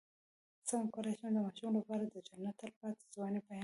څنګه کولی شم د ماشومانو لپاره د جنت د تل پاتې ځوانۍ بیان کړم